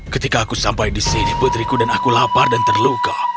ketika aku sampai di sini putriku dan aku lapar dan terluka